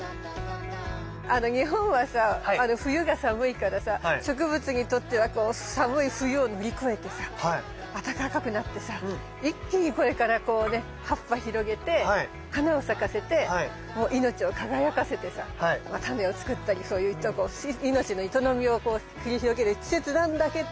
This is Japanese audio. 日本はさ冬が寒いからさ植物にとってはこう寒い冬を乗り越えてさ暖かくなってさ一気にこれからこうね葉っぱ広げて花を咲かせてもう命を輝かせてさタネを作ったりそういう命の営みを繰り広げる季節なんだけど！